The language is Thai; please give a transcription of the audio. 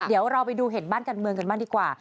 เดี๋ยวเราไปดูเห็นบ้านการเมืองกันบ้างดีกว่า